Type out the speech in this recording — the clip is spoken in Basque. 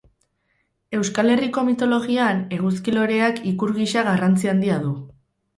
Euskal Herriko mitologian, eguzki-loreak ikur gisa garrantzi handia du.